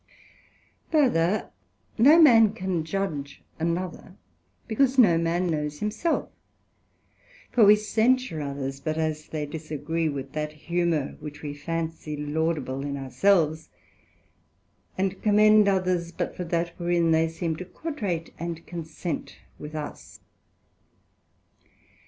Further, no man can judge another, because no man knows himself; for we censure others but as they disagree from that humour which we fancy laudible in our selves, and commend others but for that wherein they seem to quadrate and consent with us.